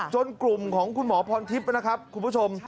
กลุ่มของคุณหมอพรทิพย์นะครับคุณผู้ชม